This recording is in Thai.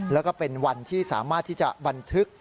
แล้วก็เป็นวันที่สามารถที่จะบันทึก